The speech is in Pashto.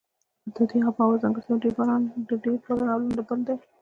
د دې آب هوا ځانګړتیاوې ډېر باران او لنده بل دي.